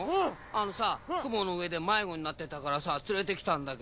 あのさくものうえでまいごになってたからさつれてきたんだけど。